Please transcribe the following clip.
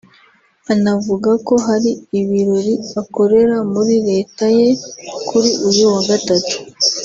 anavuga ko hari ibirori akorera muri Leta ye kuri uyu wa Gatatu